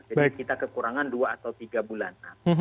jadi kita kekurangan dua atau tiga bulan